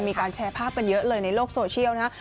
มีการแชร์ภาพกันเยอะเลยในโลกโซเชียลนะฮะ